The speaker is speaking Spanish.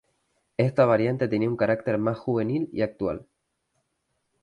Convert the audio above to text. Esta variante tenía un carácter más juvenil y actual.